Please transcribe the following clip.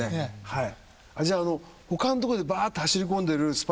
はい。